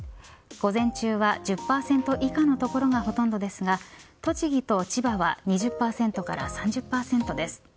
午前中は１０％以下の所がほとんどですが栃木と千葉は２０％から３０％です。